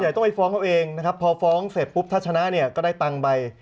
คนใหญ่ต้องไปฟ้องเขาเองนะครับพอฟ้องเสร็จปุ๊บถ้าชนะก็ได้ตังค์ใบ